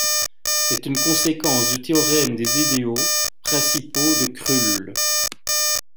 C'est une conséquence du théorème des idéaux principaux de Krull.